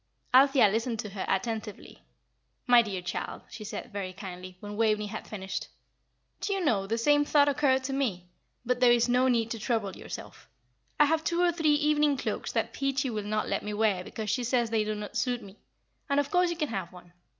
Althea listened to her attentively. "My dear child," she said, very kindly, when Waveney had finished, "do you know the same thought occurred to me; but there is no need to trouble yourself. I have two or three evening cloaks that Peachy will not let me wear because she says they do not suit me, and of course you can have one.